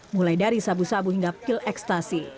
mulai dari sabu sabu hingga pil ekstasi